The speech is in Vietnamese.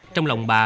trong lòng bà